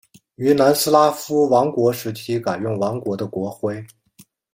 于南斯拉夫王国时期改用王国的国徽。